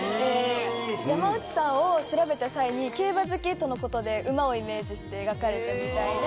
山内さんを調べた際に競馬好きとのことで馬をイメージして描かれたみたいで。